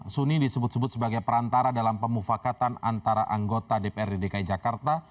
suni disebut sebut sebagai perantara dalam pemufakatan antara anggota dprd dki jakarta